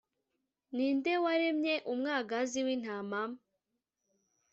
ni nde waremye umwagazi w'intama?